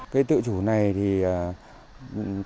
cái tự chủ này thì cũng đề xuất cái nghĩa là